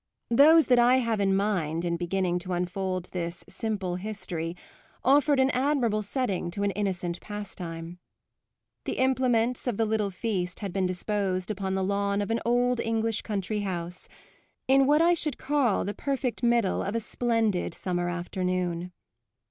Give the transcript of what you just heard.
Those that I have in mind in beginning to unfold this simple history offered an admirable setting to an innocent pastime. The implements of the little feast had been disposed upon the lawn of an old English country house, in what I should call the perfect middle of a splendid summer afternoon.